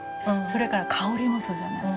それから香りもするじゃない。